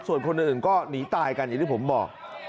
ส่วนคนอื่นก็หนีตายกันอย่างที่ผมบอก